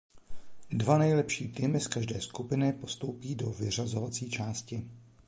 Dva nejlepší týmy z každé skupiny postoupí do vyřazovací části.